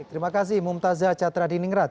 terima kasih mumtazah chathra di ningrat